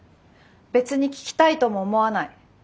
別に聞きたいとも思わない。